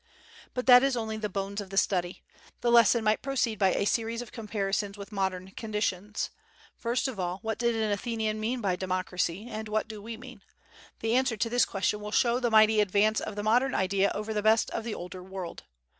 But that is only the bones of the study. The lesson might proceed by a series of comparisons with modern conditions. First of all, What did an Athenian mean by "democracy," and what do we mean? The answer to this question will show the mighty advance of the modern idea over the best of the older world.